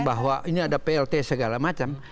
bahwa ini ada plt segala macam